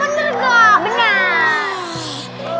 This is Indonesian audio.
tapi bakalan kalah